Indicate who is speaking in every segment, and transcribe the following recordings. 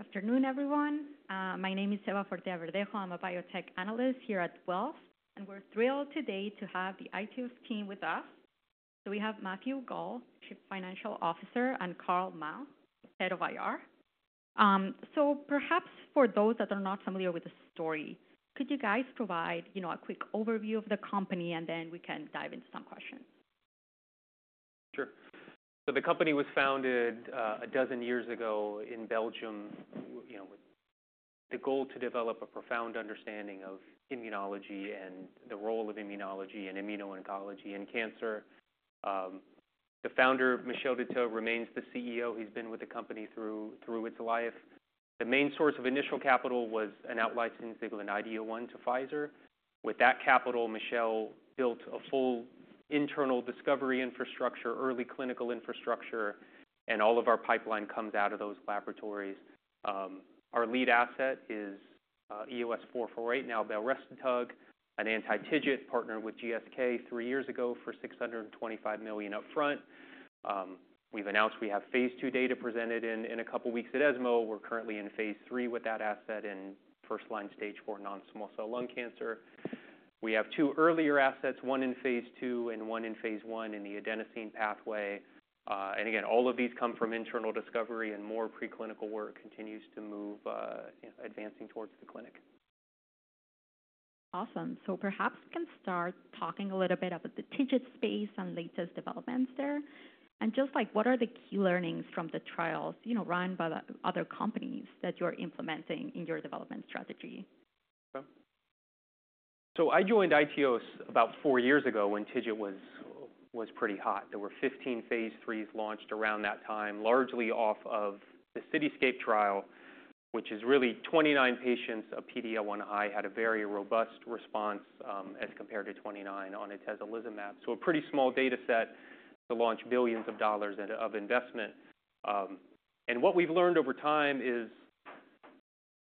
Speaker 1: Good afternoon, everyone. My name is Eva Fortea-Verdejo. I'm a biotech analyst here at Wells Fargo, and we're thrilled today to have the iTeos team with us. So we have Matthew Gall, Chief Financial Officer, and Carl Mauch, Head of IR. So perhaps for those that are not familiar with the story, could you guys provide, you know, a quick overview of the company, and then we can dive into some questions?
Speaker 2: Sure. So the company was founded a dozen years ago in Belgium, you know, with the goal to develop a profound understanding of immunology and the role of immunology and immuno-oncology in cancer. The founder, Michel Detheux, remains the CEO. He's been with the company through its life. The main source of initial capital was an out-licensing deal in IDO1 to Pfizer. With that capital, Michel built a full internal discovery infrastructure, early clinical infrastructure, and all of our pipeline comes out of those laboratories. Our lead asset is EOS-448, now belrestotug, an anti-TIGIT partnered with GSK three years ago for $625 million upfront. We've announced we have phase II data presented in a couple weeks at ESMO. We're currently in phase III with that asset in first-line stage IV non-small cell lung cancer. We have two earlier assets, one in phase II and one in phase I in the adenosine pathway. And again, all of these come from internal discovery, and more preclinical work continues to move, you know, advancing towards the clinic.
Speaker 1: Awesome. So perhaps we can start talking a little bit about the TIGIT space and latest developments there. And just, like, what are the key learnings from the trials, you know, run by the other companies that you're implementing in your development strategy?
Speaker 2: Okay. So I joined iTeos about four years ago when TIGIT was pretty hot. There were 15 phase III launched around that time, largely off of the CITYSCAPE trial, which is really 29 patients of PD-L1 high had a very robust response, as compared to 29 on atezolizumab. So a pretty small data set to launch billions of dollars of investment. And what we've learned over time is,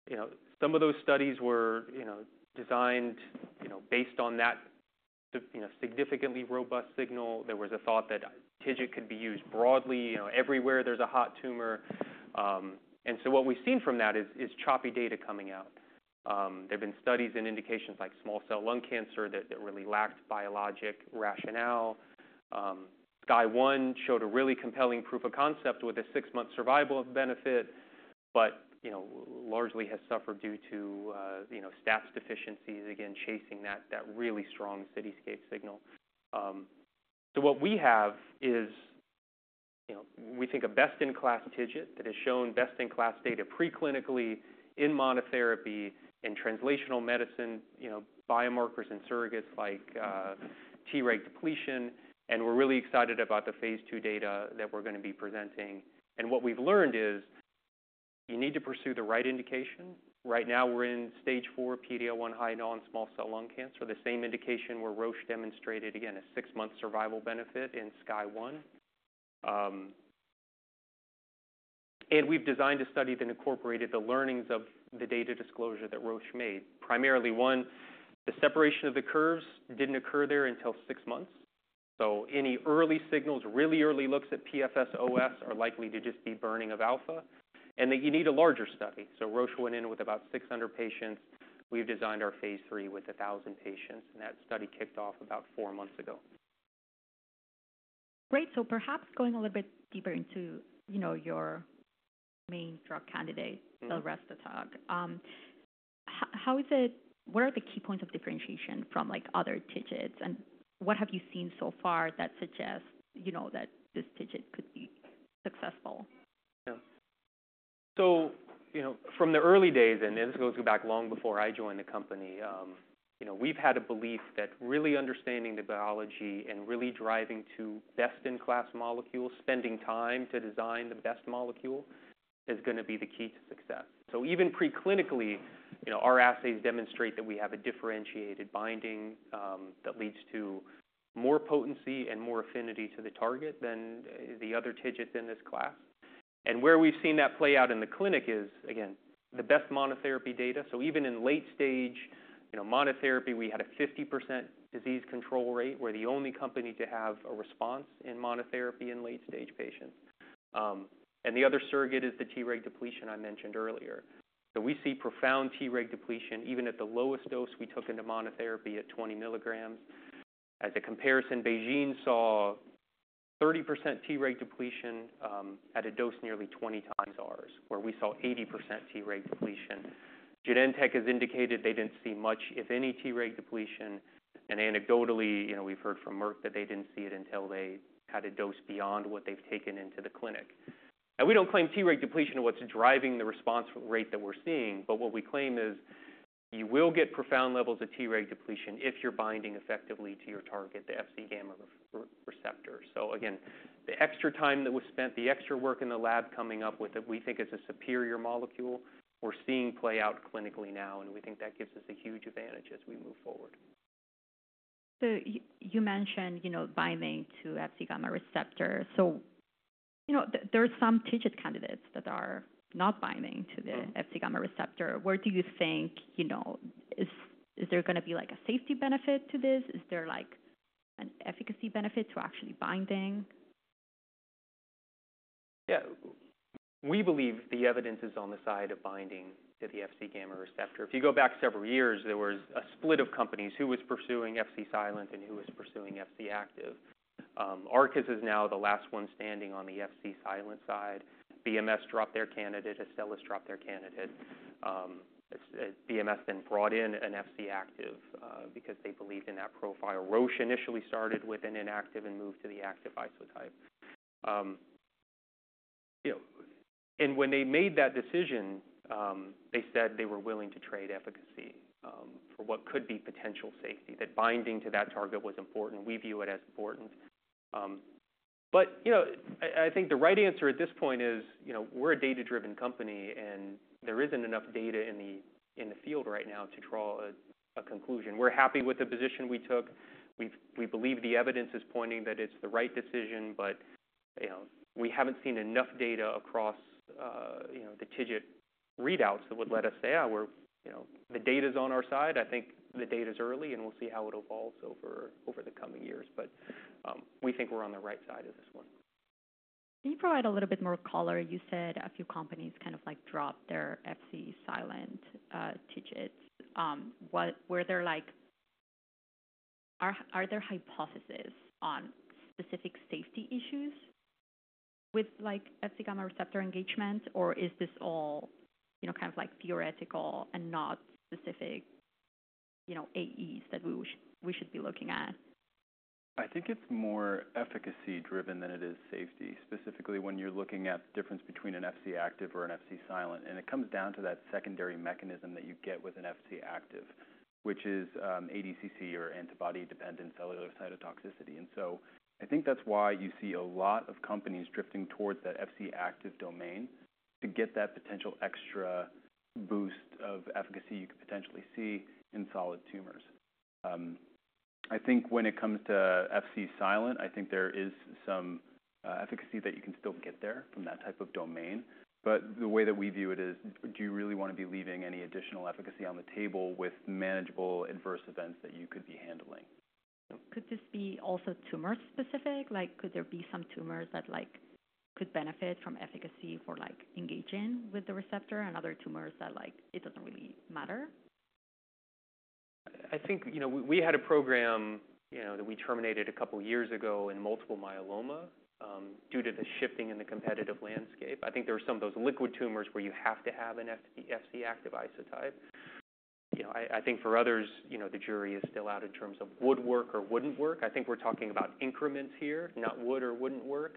Speaker 2: you know, some of those studies were, you know, designed, you know, based on that, you know, significantly robust signal. There was a thought that TIGIT could be used broadly, you know, everywhere there's a hot tumor. And so what we've seen from that is choppy data coming out. There have been studies and indications like small cell lung cancer that really lacked biologic rationale. SKY-01 showed a really compelling proof of concept with a six-month survival benefit, but, you know, largely has suffered due to, you know, stats deficiencies, again, chasing that really strong CITYSCAPE signal. So what we have is, you know, we think a best-in-class TIGIT that has shown best-in-class data preclinically in monotherapy, in translational medicine, you know, biomarkers and surrogates like T-reg depletion. And we're really excited about the phase II data that we're gonna be presenting. And what we've learned is you need to pursue the right indication. Right now, we're in stage four PD-L1 high non-small cell lung cancer, the same indication where Roche demonstrated, again, a six-month survival benefit in SKY-01. And we've designed a study that incorporated the learnings of the data disclosure that Roche made. Primarily, one, the separation of the curves didn't occur there until six months, so any early signals, really early looks at PFS and OS are likely to just be burning of alpha and that you need a larger study so Roche went in with about 600 patients. We've designed our phase III with 1,000 patients, and that study kicked off about four months ago.
Speaker 1: Great. So perhaps going a little bit deeper into, you know, your main drug candidate the belrestotug. How is it? What are the key points of differentiation from, like, other TIGITs, and what have you seen so far that suggests, you know, that this TIGIT could be successful?
Speaker 2: Yeah. So, you know, from the early days, and this goes back long before I joined the company, you know, we've had a belief that really understanding the biology and really driving to best-in-class molecules, spending time to design the best molecule, is gonna be the key to success. So even preclinically, you know, our assays demonstrate that we have a differentiated binding, that leads to more potency and more affinity to the target than the other TIGITs in this class. And where we've seen that play out in the clinic is, again, the best monotherapy data. So even in late stage, you know, monotherapy, we had a 50% disease control rate. We're the only company to have a response in monotherapy in late-stage patients. And the other surrogate is the T-reg depletion I mentioned earlier. We see profound T-reg depletion even at the lowest dose we took into monotherapy at 20 milligrams. As a comparison, BeiGene saw 30% T-reg depletion at a dose nearly 20 times ours, where we saw 80% T-reg depletion. Genentech has indicated they didn't see much, if any, T-reg depletion, and anecdotally, you know, we've heard from Merck that they didn't see it until they had a dose beyond what they've taken into the clinic. We don't claim T-reg depletion is what's driving the response rate that we're seeing, but what we claim is you will get profound levels of T-reg depletion if you're binding effectively to your target, the Fc gamma receptor. Again, the extra time that was spent, the extra work in the lab coming up with it, we think it's a superior molecule. We're seeing play out clinically now, and we think that gives us a huge advantage as we move forward.
Speaker 1: So you mentioned, you know, binding to Fc gamma receptor. So, you know, there's some TIGIT candidates that are not binding to the Fc gamma receptor. What do you think, you know... Is there gonna be, like, a safety benefit to this? Is there an efficacy benefit to actually binding?
Speaker 2: Yeah, we believe the evidence is on the side of binding to the Fc gamma receptor. If you go back several years, there was a split of companies who was pursuing Fc-silent and who was pursuing Fc-active. Arcus is now the last one standing on the Fc-silent side. BMS dropped their candidate, Astellas dropped their candidate. BMS then brought in an Fc-active, because they believed in that profile. Roche initially started with an inactive and moved to the active isotype. You know, and when they made that decision, they said they were willing to trade efficacy, for what could be potential safety, that binding to that target was important. We view it as important. But, you know, I think the right answer at this point is, you know, we're a data-driven company, and there isn't enough data in the field right now to draw a conclusion. We're happy with the position we took. We believe the evidence is pointing that it's the right decision, but, you know, we haven't seen enough data across, you know, the TIGIT readouts that would let us say, you know, the data's on our side. I think the data's early, and we'll see how it evolves over the coming years, but we think we're on the right side of this one.
Speaker 1: Can you provide a little bit more color? You said a few companies kind of, like, dropped their Fc-silent TIGITs. Are there hypotheses on specific safety issues with, like, Fc gamma receptor engagement, or is this all, you know, kind of like theoretical and not specific, you know, AEs that we should be looking at?
Speaker 3: I think it's more efficacy-driven than it is safety, specifically when you're looking at the difference between an Fc-active or an Fc-silent, and it comes down to that secondary mechanism that you get with an Fc-active, which is ADCC or antibody-dependent cellular cytotoxicity. And so I think that's why you see a lot of companies drifting towards that Fc-active domain to get that potential extra boost of efficacy you could potentially see in solid tumors. I think when it comes to Fc-silent, I think there is some efficacy that you can still get there from that type of domain. But the way that we view it is, do you really want to be leaving any additional efficacy on the table with manageable adverse events that you could be handling?
Speaker 1: So could this be also tumor-specific? Like, could there be some tumors that, like, could benefit from efficacy for, like, engaging with the receptor and other tumors that, like, it doesn't really matter?
Speaker 2: I think, you know, we had a program, you know, that we terminated a couple of years ago in multiple myeloma, due to the shifting in the competitive landscape. I think there are some of those liquid tumors where you have to have an Fc-active isotype. You know, I think for others, you know, the jury is still out in terms of would work or wouldn't work. I think we're talking about increments here, not would or wouldn't work.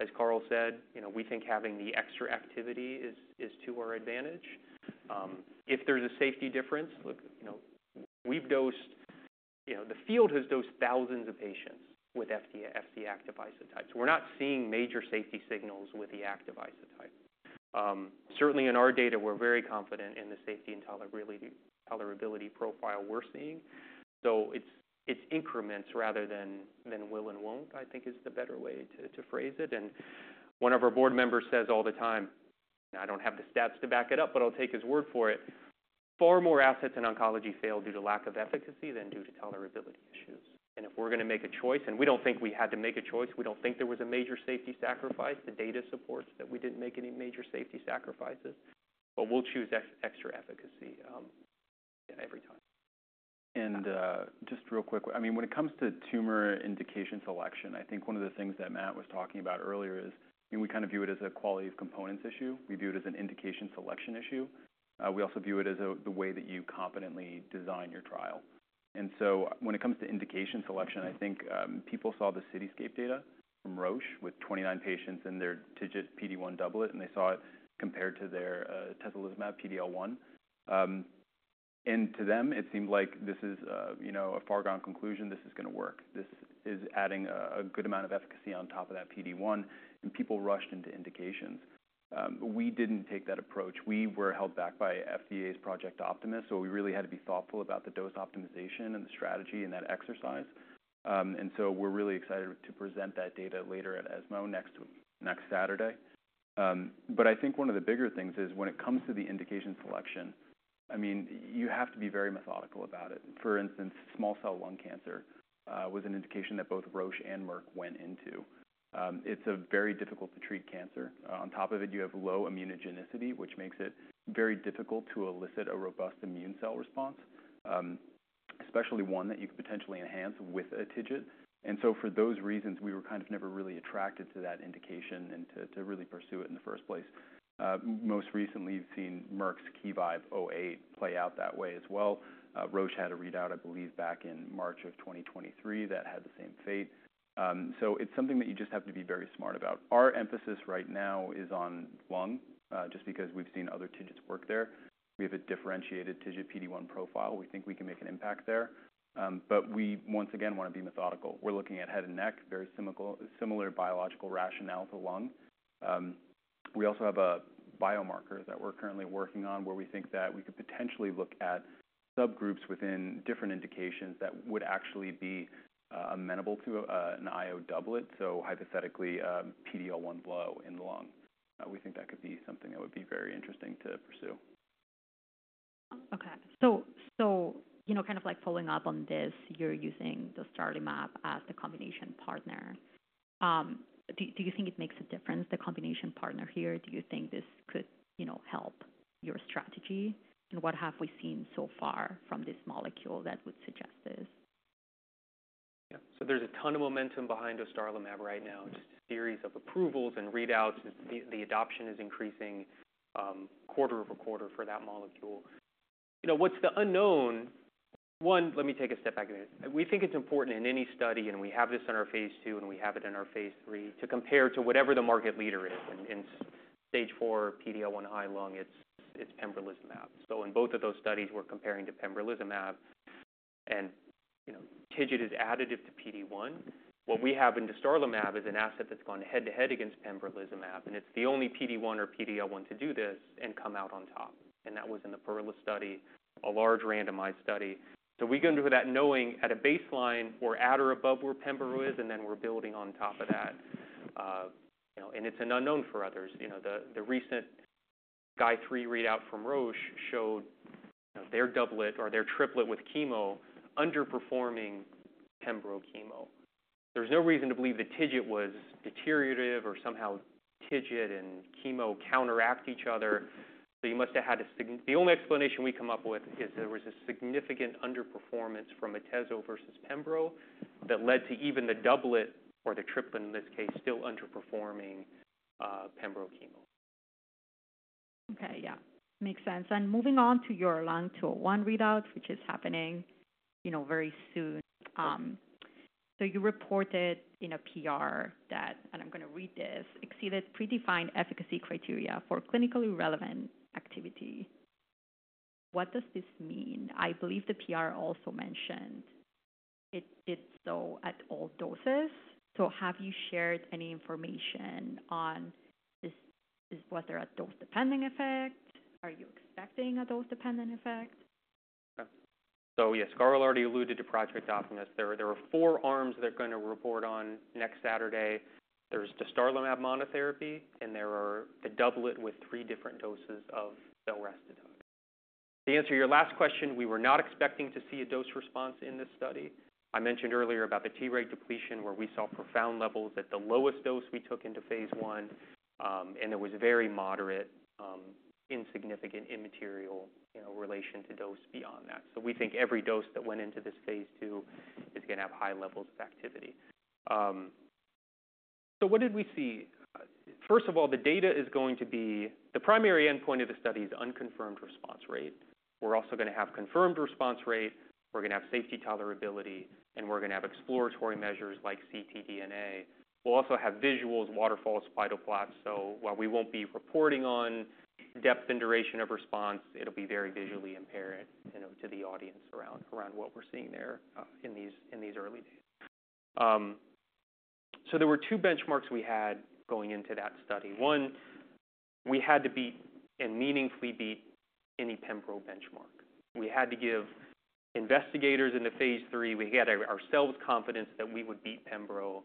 Speaker 2: As Carl said, you know, we think having the extra activity is to our advantage. If there's a safety difference, look, you know, we've dosed. You know, the field has dosed thousands of patients with Fc-active isotypes. We're not seeing major safety signals with the active isotype. Certainly in our data, we're very confident in the safety and tolerability profile we're seeing. So it's increments rather than will and won't. I think is the better way to phrase it. And one of our board members says all the time, I don't have the stats to back it up, but I'll take his word for it: "Far more assets in oncology fail due to lack of efficacy than due to tolerability issues." And if we're gonna make a choice, and we don't think we had to make a choice, we don't think there was a major safety sacrifice. The data supports that we didn't make any major safety sacrifices, but we'll choose extra efficacy every time.
Speaker 3: Just real quick. I mean, when it comes to tumor indication selection, I think one of the things that Matt was talking about earlier is, you know, we kind of view it as a quality of components issue. We view it as an indication selection issue. We also view it as the way that you competently design your trial. So when it comes to indication selection, I think people saw the CITYSCAPE data from Roche with 29 patients in their TIGIT PD-1 doublet, and they saw it compared to their atezolizumab PD-L1. And to them, it seemed like this is, you know, a foregone conclusion, this is gonna work. This is adding a good amount of efficacy on top of that PD-1, and people rushed into indications. We didn't take that approach. We were held back by FDA's Project Optimus, so we really had to be thoughtful about the dose optimization and the strategy in that exercise, and so we're really excited to present that data later at ESMO next Saturday, but I think one of the bigger things is when it comes to the indication selection, I mean, you have to be very methodical about it. For instance, small cell lung cancer was an indication that both Roche and Merck went into. It's a very difficult to treat cancer. On top of it, you have low immunogenicity, which makes it very difficult to elicit a robust immune cell response, especially one that you could potentially enhance with a TIGIT, and so for those reasons, we were kind of never really attracted to that indication and to really pursue it in the first place. Most recently, you've seen Merck's KeyVibe-008 play out that way as well. Roche had a readout, I believe, back in March 2023, that had the same fate. So it's something that you just have to be very smart about. Our emphasis right now is on lung, just because we've seen other TIGITs work there. We have a differentiated TIGIT PD-1 profile. We think we can make an impact there, but we once again want to be methodical. We're looking at head and neck, very similar biological rationale to lung. We also have a biomarker that we're currently working on, where we think that we could potentially look at subgroups within different indications that would actually be, amenable to, an IO doublet, so hypothetically, PD-L1 low in the lung. We think that could be something that would be very interesting to pursue.
Speaker 1: Okay, so you know, kind of like following up on this, you're using the dostarlimab as the combination partner. Do you think it makes a difference, the combination partner here? Do you think this could, you know, help your strategy? And what have we seen so far from this molecule that would suggest this?
Speaker 2: Yeah. So there's a ton of momentum behind dostarlimab right now, just a series of approvals and readouts. The adoption is increasing quarter-over-quarter for that molecule. You know, what's the unknown? One, let me take a step back. We think it's important in any study, and we have this in our phase II, and we have it in our phase III, to compare to whatever the market leader is. In Stage IV, PD-L1 high lung, it's pembrolizumab. So in both of those studies, we're comparing to pembrolizumab and, you know, TIGIT is additive to PD-1. What we have in dostarlimab is an asset that's gone head-to-head against pembrolizumab, and it's the only PD-1 or PD-L1 to do this and come out on top. And that was in the PERLA study, a large randomized study. So we go into that knowing at a baseline we're at or above where pembro is, and then we're building on top of that. You know, and it's an unknown for others. You know, the recent phase III readout from Roche showed, you know, their doublet or their triplet with chemo underperforming pembro chemo. There's no reason to believe the TIGIT was deteriorative or somehow TIGIT and chemo counteracted each other, so you must have had a sign. The only explanation we come up with is there was a significant underperformance from atezo versus pembro, that led to even the doublet or the triplet in this case, still underperforming pembro chemo.
Speaker 1: Okay, yeah, makes sense, and moving on to your Lung-201 readout, which is happening, you know, very soon. So you reported in a PR that, and I'm gonna read this: "Exceeded predefined efficacy criteria for clinically relevant activity." What does this mean? I believe the PR also mentioned it did so at all doses. So have you shared any information on this? Was there a dose-dependent effect? Are you expecting a dose-dependent effect?
Speaker 2: Okay. So yes, Carl already alluded to Project Optimus. There are four arms they're gonna report on next Saturday. There's dostarlimab monotherapy, and there are the doublet with three different doses of belrestotug. To answer your last question, we were not expecting to see a dose response in this study. I mentioned earlier about the T-reg depletion, where we saw profound levels at the lowest dose we took into phase I, and it was very moderate, insignificant, immaterial, you know, relation to dose beyond that. So we think every dose that went into this phase II is gonna have high levels of activity. So what did we see? First of all, the data is going to be. The primary endpoint of the study is unconfirmed response rate. We're also gonna have confirmed response rate, we're gonna have safety tolerability, and we're gonna have exploratory measures like ctDNA. We'll also have visuals, waterfalls, spider plots. So while we won't be reporting on depth and duration of response, it'll be very visually apparent, you know, to the audience around what we're seeing there in these early days. So there were two benchmarks we had going into that study. One, we had to beat, and meaningfully beat any pembro benchmark. We had to give investigators into phase III, we had ourselves confidence that we would beat pembro.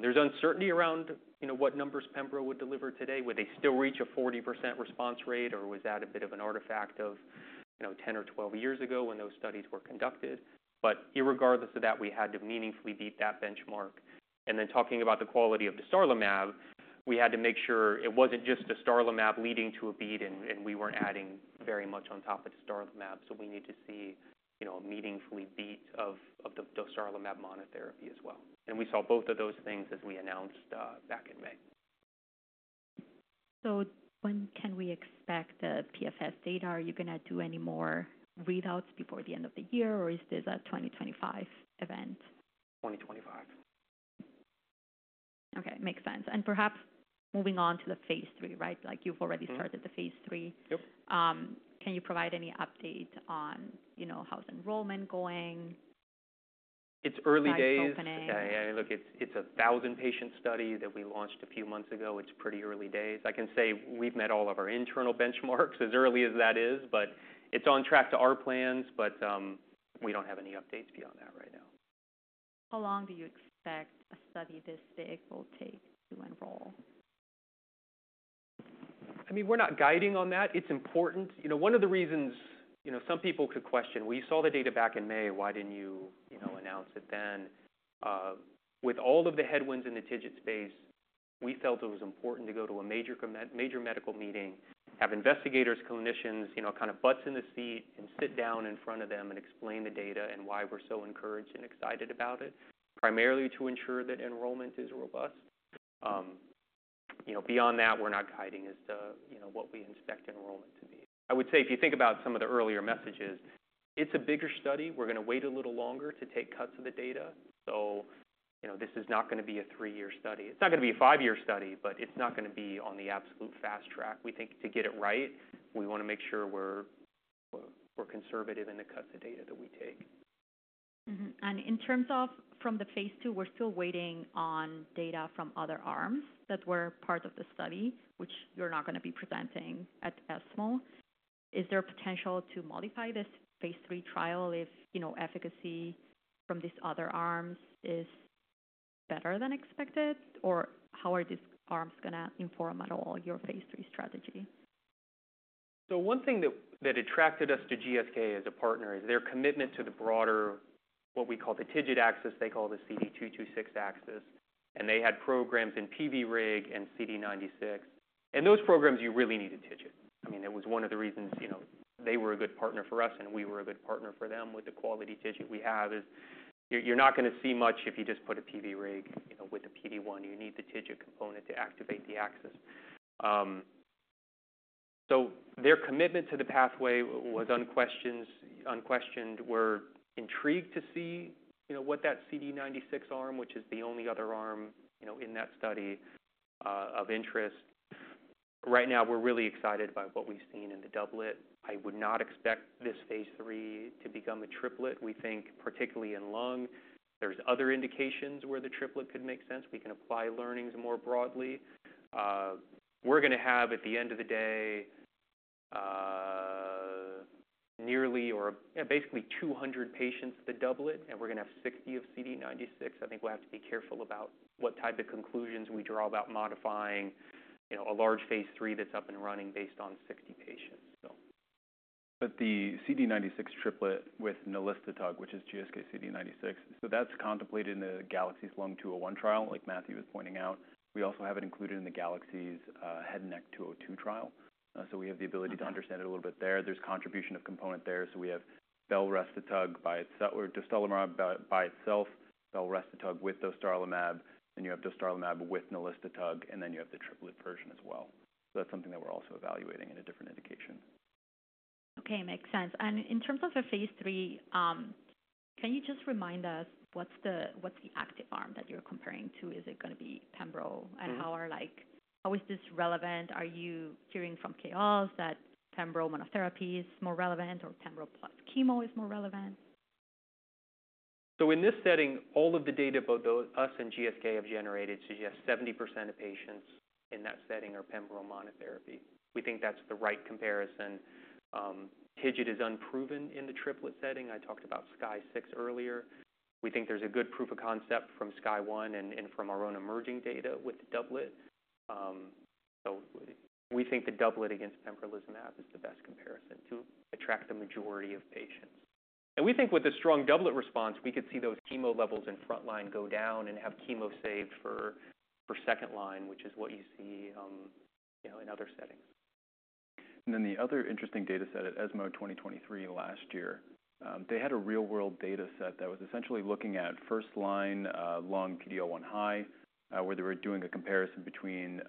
Speaker 2: There's uncertainty around, you know, what numbers pembro would deliver today. Would they still reach a 40% response rate, or was that a bit of an artifact of, you know, 10 or 12 years ago when those studies were conducted? But irregardless of that, we had to meaningfully beat that benchmark. And then talking about the quality of dostarlimab, we had to make sure it wasn't just dostarlimab leading to a beat, and we weren't adding very much on top of dostarlimab. So we need to see, you know, a meaningfully beat of the dostarlimab monotherapy as well. And we saw both of those things as we announced back in May.
Speaker 1: So when can we expect the PFS data? Are you gonna do any more readouts before the end of the year, or is this a 2025 event?
Speaker 2: 2025.
Speaker 1: Okay, makes sense. And perhaps moving on to the phase III, right? Like, you've already started the phase III.
Speaker 2: Yep.
Speaker 1: Can you provide any update on, you know, how's enrollment going?
Speaker 2: It's early days.
Speaker 1: Not opening.
Speaker 2: Yeah, look, it's a thousand-patient study that we launched a few months ago. It's pretty early days. I can say we've met all of our internal benchmarks as early as that is, but it's on track to our plans. But, we don't have any updates beyond that right now.
Speaker 1: How long do you expect a study this big will take to enroll?
Speaker 2: I mean, we're not guiding on that. It's important. You know, one of the reasons, you know, some people could question: "We saw the data back in May, why didn't you, you know, announce it then?" With all of the headwinds in the TIGIT space, we felt it was important to go to a major medical meeting, have investigators, clinicians, you know, kind of butts in the seat and sit down in front of them and explain the data and why we're so encouraged and excited about it, primarily to ensure that enrollment is robust. You know, beyond that, we're not guiding as to, you know, what we expect enrollment to be. I would say, if you think about some of the earlier messages, it's a bigger study. We're gonna wait a little longer to take cuts of the data. You know, this is not gonna be a five-year study, but it's not gonna be on the absolute fast track. We think to get it right, we wanna make sure we're conservative in the cuts of data that we take.
Speaker 1: In terms of the phase II, we're still waiting on data from other arms that were part of the study, which you're not gonna be presenting at ESMO. Is there potential to modify this phase III trial if, you know, efficacy from these other arms is better than expected? Or how are these arms going to inform at all your phase III strategy?
Speaker 2: One thing that attracted us to GSK as a partner is their commitment to the broader, what we call the TIGIT axis, they call the CD226 axis, and they had programs in PVRIG and CD96. And those programs, you really need a TIGIT. I mean, it was one of the reasons, you know, they were a good partner for us, and we were a good partner for them with the quality TIGIT we have. You're not going to see much if you just put a PVRIG, you know, with a PD-1, you need the TIGIT component to activate the axis. So their commitment to the pathway was unquestioned,. We're intrigued to see, you know, what that CD96 arm, which is the only other arm, you know, in that study of interest. Right now, we're really excited by what we've seen in the doublet. I would not expect this phase III to become a triplet. We think, particularly in lung, there's other indications where the triplet could make sense. We can apply learnings more broadly. We're going to have, at the end of the day, basically 200 patients, the doublet, and we're going to have 60 of CD96. I think we'll have to be careful about what type of conclusions we draw about modifying, you know, a large phase III that's up and running based on 60 patients.
Speaker 3: But the CD96 triplet with nelistotug, which is GSK CD96, so that's contemplated in the GALAXIES Lung-201 trial, like Matthew was pointing out. We also have it included in the GALAXIES Head and Neck-202 trial. So we have the ability to understand it a little bit there. There's contribution of component there, so we have dostarlimab by itself, belrestotug with dostarlimab, then you have dostarlimab with nelistotug, and then you have the triplet version as well. So that's something that we're also evaluating in a different indication.
Speaker 1: Okay, makes sense. And in terms of the phase III, can you just remind us what's the active arm that you're comparing to? Is it going to be pembro? How is this relevant? Are you hearing from KOLs that pembro monotherapy is more relevant or pembro plus chemo is more relevant?
Speaker 2: So in this setting, all of the data, both ours and GSK have generated suggests 70% of patients in that setting are pembro monotherapy. We think that's the right comparison. TIGIT is unproven in the triplet setting. I talked about SKY-06 earlier. We think there's a good proof of concept from SKY-01 and from our own emerging data with the doublet. So we think the doublet against pembrolizumab is the best comparison to attract the majority of patients. And we think with a strong doublet response, we could see those chemo levels in frontline go down and have chemo saved for second line, which is what you see, you know, in other settings.
Speaker 3: And then the other interesting data set at ESMO 2023 last year, they had a real-world data set that was essentially looking at first-line lung PD-L1 high, where they were doing a comparison between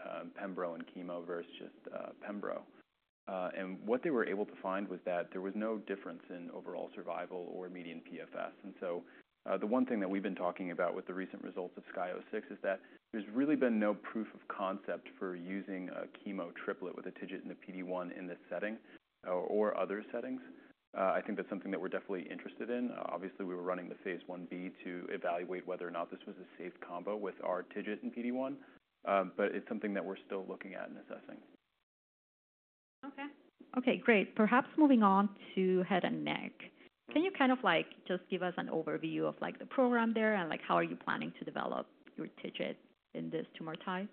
Speaker 3: pembro and chemo versus just pembro. And what they were able to find was that there was no difference in overall survival or median PFS. And so, the one thing that we've been talking about with the recent results of SKY-06 is that there's really been no proof of concept for using a chemo triplet with a TIGIT and a PD-1 in this setting or other settings. I think that's something that we're definitely interested in. Obviously, we were running the phase Ib to evaluate whether or not this was a safe combo with our TIGIT and PD-1, but it's something that we're still looking at and assessing.
Speaker 1: Okay. Okay, great. Perhaps moving on to head and neck. Can you kind of like, just give us an overview of, like, the program there, and, like, how are you planning to develop your TIGIT in this tumor type?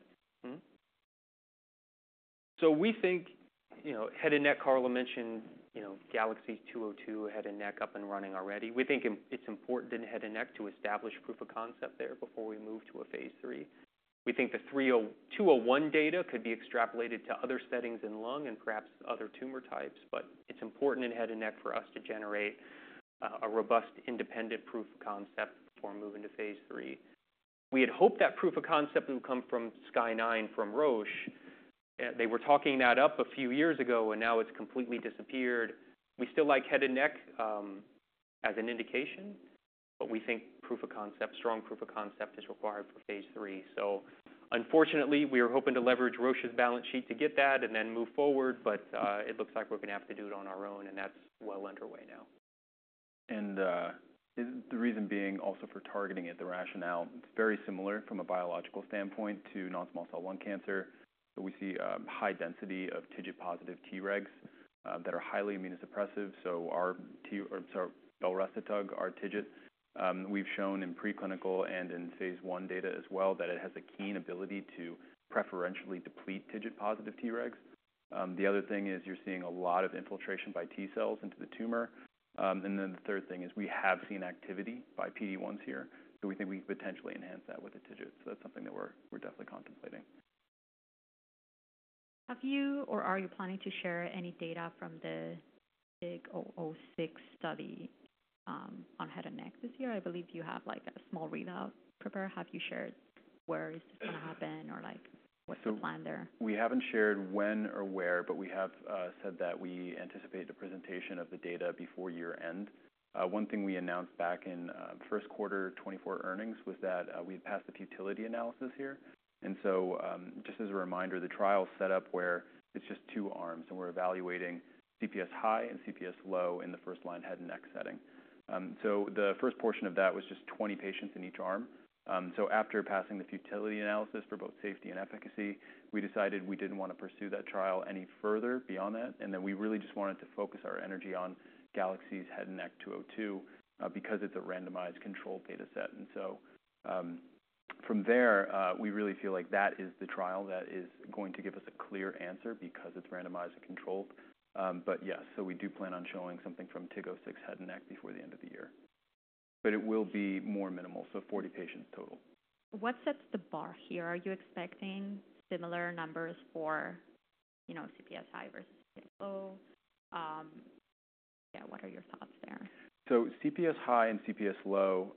Speaker 2: So we think, you know, head and neck. Carl mentioned, you know, GALAXIES Head and Neck-202, head and neck up and running already. We think it's important in head and neck to establish proof of concept there before we move to a phase III. We think the 201 data could be extrapolated to other settings in lung and perhaps other tumor types, but it's important in head and neck for us to generate a robust, independent proof of concept before moving to phase III. We had hoped that proof of concept would come from SKY-09, from Roche. They were talking that up a few years ago, and now it's completely disappeared. We still like head and neck as an indication, but we think strong proof of concept is required for phase III. Unfortunately, we were hoping to leverage Roche's balance sheet to get that and then move forward, but it looks like we're going to have to do it on our own, and that's well underway now.
Speaker 3: The reason being also for targeting it, the rationale, it's very similar from a biological standpoint to non-small cell lung cancer. So we see a high density of TIGIT-positive T-regs that are highly immunosuppressive. So our belrestotug, our TIGIT, we've shown in preclinical and in phase I data as well, that it has a keen ability to preferentially deplete TIGIT-positive T-regs. The other thing is you're seeing a lot of infiltration by T cells into the tumor. And then the third thing is we have seen activity by PD-1s here, so we think we can potentially enhance that with the TIGIT. So that's something that we're definitely contemplating.
Speaker 1: Have you or are you planning to share any data from the TIG-006 study, on head and neck this year? I believe you have, like, a small readout prepared. Have you shared where is this going to happen or, like, what's the plan there?
Speaker 3: We haven't shared when or where, but we have said that we anticipate the presentation of the data before year-end. One thing we announced back in Q1 of 2024 earnings was that we had passed the futility analysis here. And so, just as a reminder, the trial is set up where it's just two arms, and we're evaluating CPS high and CPS low in the first-line head and neck setting. So the first portion of that was just 20 patients in each arm. So after passing the futility analysis for both safety and efficacy, we decided we didn't want to pursue that trial any further beyond that, and that we really just wanted to focus our energy on GALAXIES Head and Neck-202, because it's a randomized controlled data set. From there, we really feel like that is the trial that is going to give us a clear answer because it's randomized and controlled, but yeah, so we do plan on showing something from TIG-006 head and neck before the end of the year, but it will be more minimal, so 40 patients total.
Speaker 1: What sets the bar here? Are you expecting similar numbers for, you know, CPS high versus low? Yeah, what are your thoughts there?
Speaker 3: So CPS high and CPS low,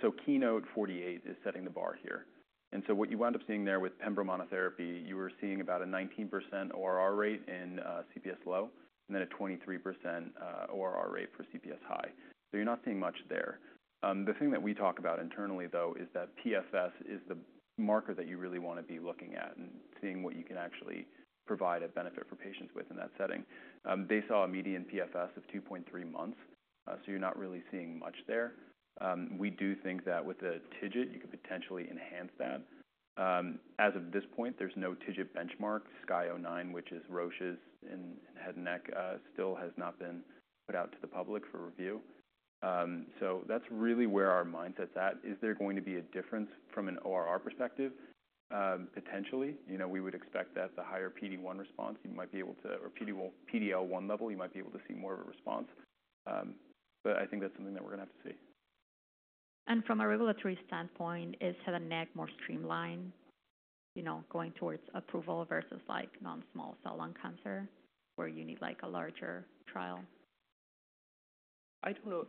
Speaker 3: so Keynote-048 is setting the bar here. And so what you wound up seeing there with pembro monotherapy, you were seeing about a 19% ORR rate in CPS low, and then a 23% ORR rate for CPS high. So you're not seeing much there. The thing that we talk about internally, though, is that PFS is the marker that you really want to be looking at and seeing what you can actually provide a benefit for patients with in that setting. They saw a median PFS of 2.3 months, so you're not really seeing much there. We do think that with the TIGIT, you could potentially enhance that. As of this point, there's no TIGIT benchmark, SKY-09, which is Roche's in head and neck, still has not been put out to the public for review, so that's really where our mindset's at. Is there going to be a difference from an ORR perspective? Potentially, you know, we would expect that the higher PD-1 response, PD-L1 level, you might be able to see more of a response, but I think that's something that we're gonna have to see.
Speaker 1: From a regulatory standpoint, is head and neck more streamlined, you know, going towards approval versus, like, non-small cell lung cancer, where you need, like, a larger trial?
Speaker 2: I don't know.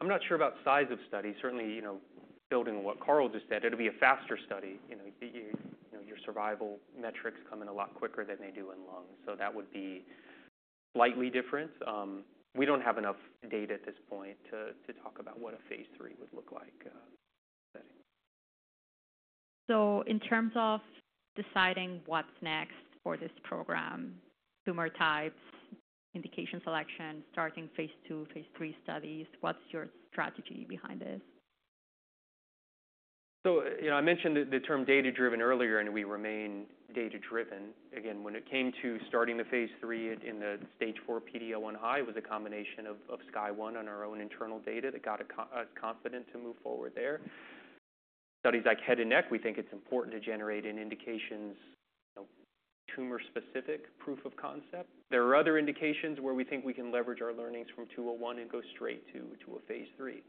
Speaker 2: I'm not sure about size of study. Certainly, you know, building on what Carl just said, it'll be a faster study. You know, your survival metrics come in a lot quicker than they do in lung, so that would be slightly different. We don't have enough data at this point to talk about what a phase III would look like, setting.
Speaker 1: So in terms of deciding what's next for this program, tumor types, indication selection, starting phase II, phase III studies, what's your strategy behind this?
Speaker 2: You know, I mentioned the term data-driven earlier, and we remain data-driven. Again, when it came to starting the phase III in the stage IV PD-L1 high, it was a combination of SKY-01 and our own internal data that got us confident to move forward there. Studies like head and neck, we think it's important to generate indications, you know, tumor-specific proof of concept. There are other indications where we think we can leverage our learnings from 201 and go straight to a phase III.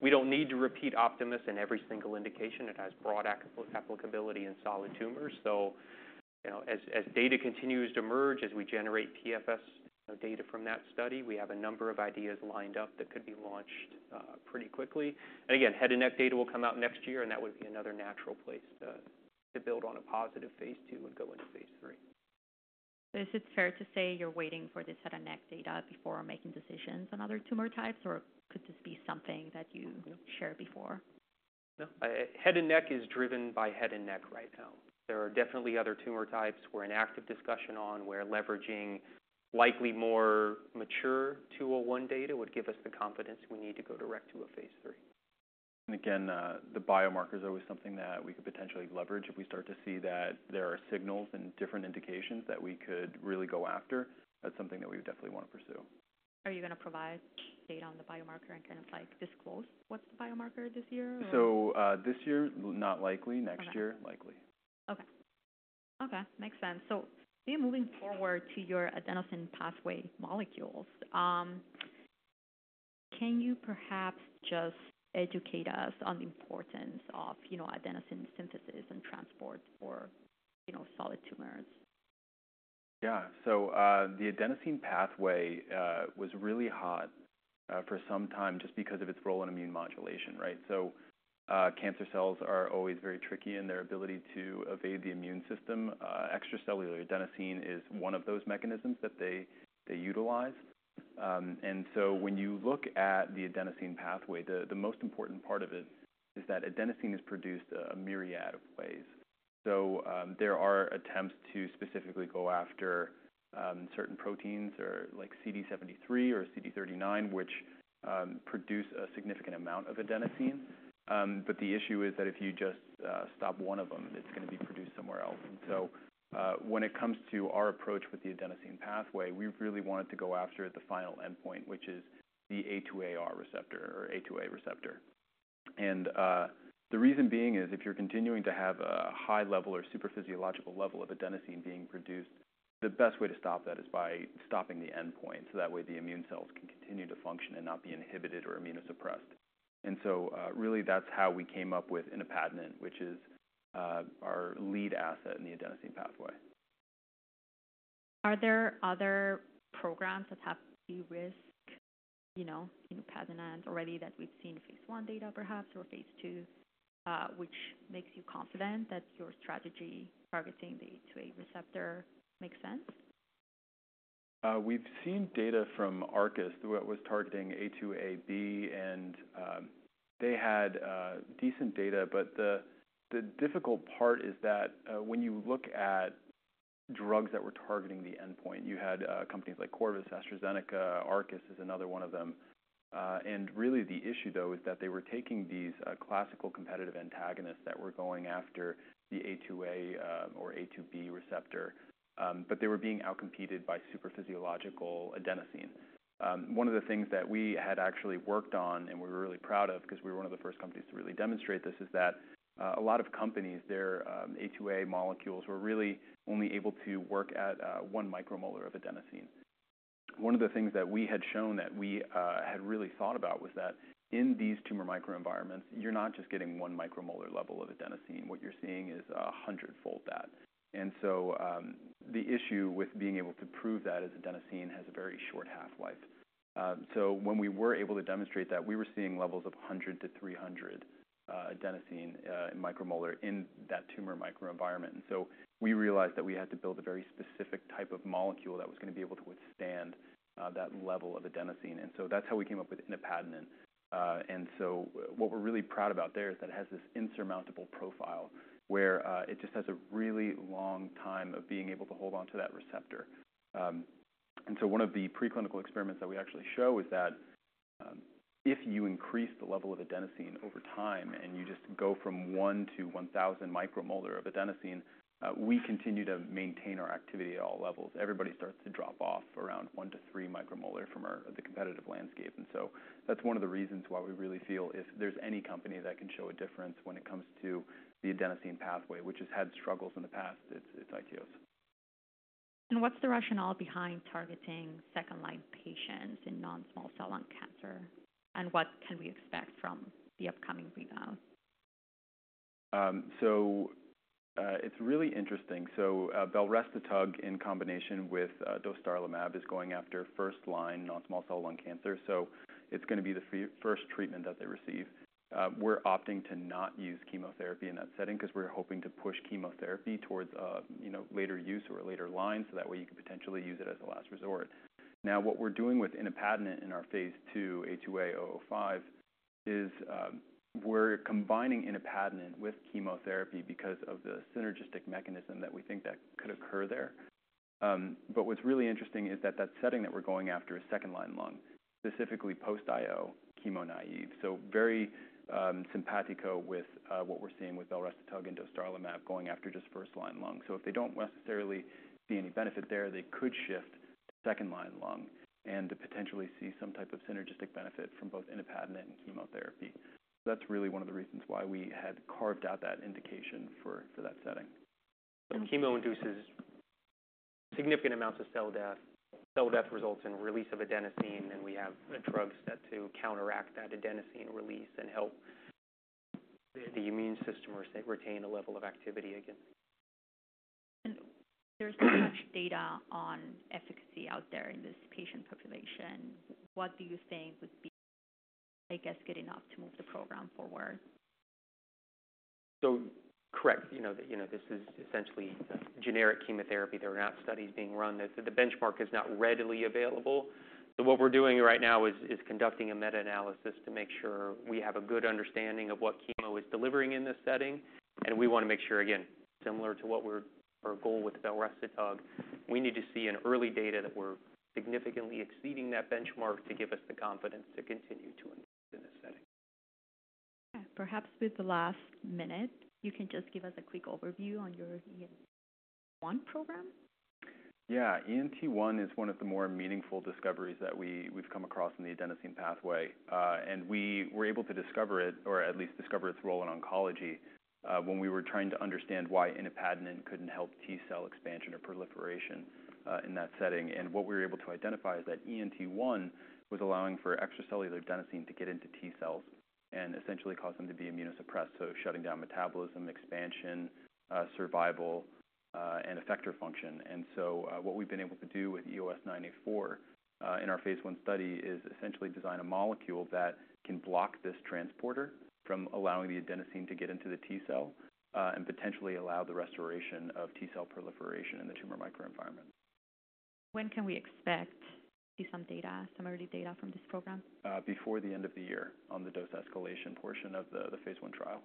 Speaker 2: We don't need to repeat Optimus in every single indication. It has broad applicability in solid tumors. You know, as data continues to emerge, as we generate PFS data from that study, we have a number of ideas lined up that could be launched pretty quickly. Again, head and neck data will come out next year, and that would be another natural place to build on a positive phase II and go into phase III.
Speaker 1: Is it fair to say you're waiting for this head and neck data before making decisions on other tumor types, or could this be something that you share before?
Speaker 2: No. Head and neck is driven by head and neck right now. There are definitely other tumor types we're in active discussion on, where leveraging likely more mature 201 data would give us the confidence we need to go direct to a Phase III.
Speaker 3: And again, the biomarker is always something that we could potentially leverage if we start to see that there are signals and different indications that we could really go after. That's something that we would definitely want to pursue.
Speaker 1: Are you gonna provide data on the biomarker and kind of, like, disclose what's the biomarker this year or?
Speaker 3: So, this year, not likely. Next year likely.
Speaker 1: Okay. Makes sense. So, moving forward to your adenosine pathway molecules, can you perhaps just educate us on the importance of, you know, adenosine synthesis and transport for, you know, solid tumors?
Speaker 3: Yeah. So, the adenosine pathway was really hot for some time just because of its role in immune modulation, right? So, cancer cells are always very tricky in their ability to evade the immune system. Extracellular adenosine is one of those mechanisms that they utilize. And so when you look at the adenosine pathway, the most important part of it is that adenosine is produced a myriad of ways. So, there are attempts to specifically go after certain proteins or like CD73 or CD39, which produce a significant amount of adenosine. But the issue is that if you just stop one of them, it's gonna be produced somewhere else. When it comes to our approach with the adenosine pathway, we really wanted to go after the final endpoint, which is the A2AR receptor or A2A receptor. The reason being is if you're continuing to have a high level or super physiological level of adenosine being produced, the best way to stop that is by stopping the endpoint, so that way, the immune cells can continue to function and not be inhibited or immunosuppressed. Really, that's how we came up with inupadenant, which is our lead asset in the adenosine pathway.
Speaker 1: Are there other programs that have the risk, you know, inupadenant already that we've seen phase I data perhaps, or phase II, which makes you confident that your strategy targeting the A2A receptor makes sense?
Speaker 3: We've seen data from Arcus, that was targeting A2A/B, and, they had, decent data, but the, the difficult part is that, when you look at drugs that were targeting the adenosine pathway. You had, companies like Corvus, AstraZeneca, Arcus is another one of them. And really the issue, though, is that they were taking these, classical competitive antagonists that were going after the A2A or A2B receptor, but they were being outcompeted by supraphysiological adenosine. One of the things that we had actually worked on, and we were really proud of because we were one of the first companies to really demonstrate this, is that, a lot of companies, their A2A molecules were really only able to work at, one micromolar of adenosine. One of the things that we had shown that we had really thought about was that in these tumor microenvironments, you're not just getting one micromolar level of adenosine. What you're seeing is a hundredfold that. And so, the issue with being able to prove that is adenosine has a very short half-life. So when we were able to demonstrate that, we were seeing levels of 100 to 300 adenosine in micromolar in that tumor microenvironment. And so we realized that we had to build a very specific type of molecule that was going to be able to withstand that level of adenosine, and so that's how we came up with inupadenant. And so what we're really proud about there is that it has this insurmountable profile where it just has a really long time of being able to hold on to that receptor. And so one of the preclinical experiments that we actually show is that if you increase the level of adenosine over time, and you just go from one to 1000 micromolar of adenosine, we continue to maintain our activity at all levels. Everybody starts to drop off around one to three micromolar from the competitive landscape. And so that's one of the reasons why we really feel if there's any company that can show a difference when it comes to the adenosine pathway, which has had struggles in the past, it's iTeos.
Speaker 1: What's the rationale behind targeting second-line patients in non-small cell lung cancer? What can we expect from the upcoming readout?
Speaker 3: It's really interesting. Belrestotug, in combination with dostarlimab, is going after first-line non-small cell lung cancer, so it's going to be the first treatment that they receive. We're opting to not use chemotherapy in that setting because we're hoping to push chemotherapy towards, you know, later use or a later line, so that way, you can potentially use it as a last resort. Now, what we're doing with inupadenant in our phase II A2A-005 is, we're combining inupadenant with chemotherapy because of the synergistic mechanism that we think that could occur there. What's really interesting is that that setting that we're going after is second-line lung, specifically post IO chemo naive, so very simpatico with what we're seeing with belrestotug and dostarlimab going after just first-line lung. So if they don't necessarily see any benefit there, they could shift to second-line lung and to potentially see some type of synergistic benefit from both inupadenant and chemotherapy. That's really one of the reasons why we had carved out that indication for that setting.
Speaker 2: Chemo induces significant amounts of cell death. Cell death results in release of adenosine, and we have drugs set to counteract that adenosine release and help the immune system retain a level of activity again.
Speaker 1: And there's much data on efficacy out there in this patient population. What do you think would be, I guess, good enough to move the program forward?
Speaker 2: So, correct, you know, that you know this is essentially generic chemotherapy. There are not studies being run. The benchmark is not readily available. So what we're doing right now is conducting a meta-analysis to make sure we have a good understanding of what chemo is delivering in this setting. And we want to make sure, again, similar to what we're, our goal with belrestotug, we need to see in early data that we're significantly exceeding that benchmark to give us the confidence to continue to invest in this setting.
Speaker 1: Perhaps with the last minute, you can just give us a quick overview on your ENT1 program.
Speaker 3: Yeah. ENT1 is one of the more meaningful discoveries that we've come across in the adenosine pathway. And we were able to discover it, or at least discover its role in oncology, when we were trying to understand why inupadenant couldn't help T cell expansion or proliferation, in that setting. And what we were able to identify is that ENT1 was allowing for extracellular adenosine to get into T cells and essentially cause them to be immunosuppressed, so shutting down metabolism, expansion, survival, and effector function. And so, what we've been able to do with EOS-984, in our phase I study, is essentially design a molecule that can block this transporter from allowing the adenosine to get into the T cell, and potentially allow the restoration of T cell proliferation in the tumor microenvironment.
Speaker 1: When can we expect to see some data, some early data from this program?
Speaker 3: Before the end of the year, on the dose escalation portion of the phase I trial.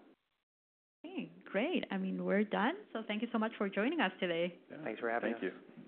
Speaker 1: Okay, great. I mean, we're done. So thank you so much for joining us today.
Speaker 2: Yeah. Thanks for having us.
Speaker 3: Thank you.